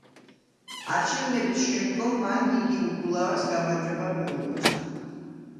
არჩევნების შემდგომ მან გიგი უგულავას გამარჯვება მიულოცა.